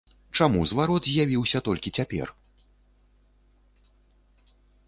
Чаму зварот з'явіўся толькі цяпер?